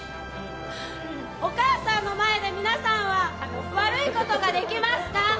お母さんの前で皆さんは悪いことができますか？